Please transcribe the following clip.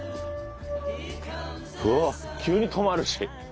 うわっ急に止まるし。